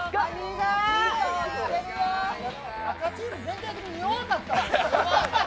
赤チーム全般的に弱かった。